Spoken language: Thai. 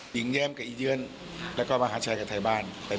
หญิงแย้มกับอีเยือนแล้วก็มหาชายจากไทยบ้าน